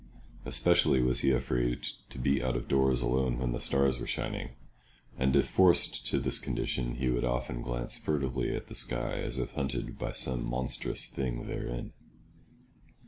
Especially was he afraid to be out of doors alone when the stars were shining, and if forced to this condition he would often glance furtively at the sky as if hunted by some monstrous thing therein.